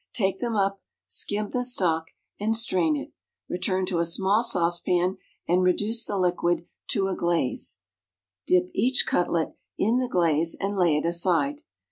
Take them up, skim the stock, and strain it; return to a small saucepan, and reduce the liquid to a glaze; dip each cutlet in the glaze and lay it aside.